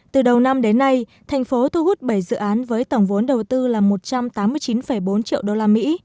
từ đầu năm đến nay thành phố thu hút bảy dự án với tổng vốn đầu tư là một trăm tám mươi chín bốn triệu usd